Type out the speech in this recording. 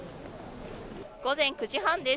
午前９時半です。